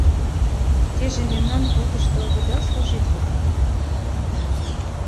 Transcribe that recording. — Теже мемнан флотышто огыда служитле вет...